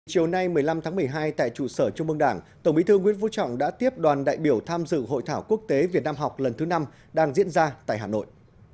chiều nay một mươi năm tháng một mươi hai tại trụ sở trung mương đảng tổng bí thư nguyễn vũ trọng đã tiếp đoàn đại biểu tham dự hội thảo quốc tế việt nam học lần thứ năm đang diễn ra tại hà nội